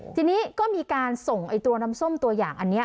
ทีนี้ก็มีการส่งตัวน้ำส้มตัวอย่างอันนี้